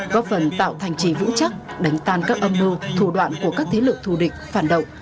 góp phần tạo thành trí vũ trắc đánh tan các âm mưu thủ đoạn của các thế lực thù địch phản động